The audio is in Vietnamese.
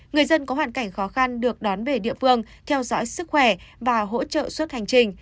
người dân có hoàn cảnh khó khăn được đón về địa phương theo dõi sức khỏe và hỗ trợ suốt hành trình